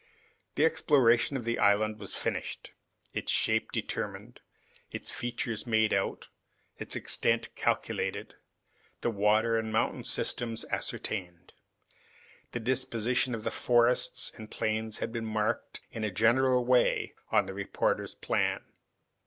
The exploration of the island was finished, its shape determined, its features made out, its extent calculated, the water and mountain systems ascertained. The disposition of the forests and plains had been marked in a general way on the reporter's plan.